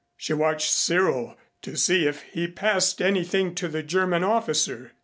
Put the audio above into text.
She watched Cyril to see if he passed anything to the German officer.